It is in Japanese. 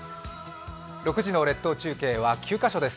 ６時の列島中継は９カ所です。